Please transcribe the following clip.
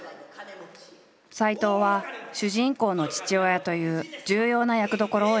斎藤は主人公の父親という重要な役どころを演じている。